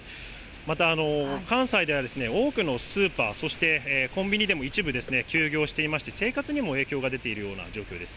また関西では多くのスーパー、そしてコンビニでも、一部、休業していまして、生活にも影響が出ているような状況です。